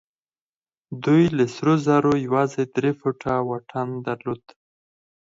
دوی له سرو زرو يوازې درې فوټه واټن درلود.